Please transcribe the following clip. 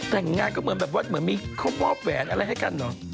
แต่งงานเค้าเหมือนมีข้อแหวนอะไรให้กันตรงนี้